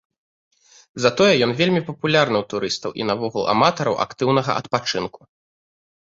Затое ён вельмі папулярны ў турыстаў і наогул аматараў актыўнага адпачынку.